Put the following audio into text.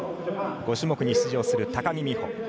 ５種目に出場する高木美帆。